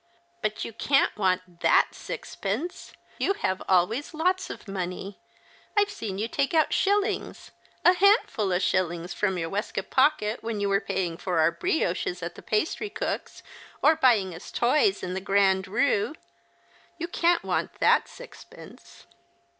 " But you can't want that sixpence. You have always lots of money. I've seen you take out shillings — a handful of shillings — from your waistcoat pocket when you were paying for our brioches at the pastrycook's, or buying us toys in the Grande Kue. You can't want that sixpence."